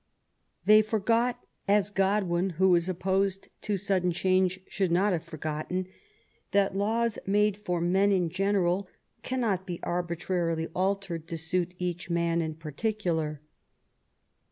They for got — as Godwin, who was opposed to sudden change, should not have forgotten — that laws made for men in general cannot be arbitrarily altered to suit each man in particular.